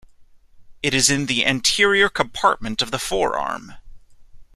It is in the anterior compartment of the forearm.